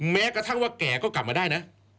แม้กระทั่งว่าแก่ก็กลับมาได้นะ